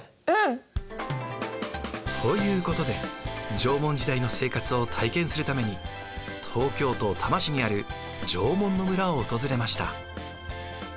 うん。ということで縄文時代の生活を体験するために東京都多摩市にある縄文の村を訪れました。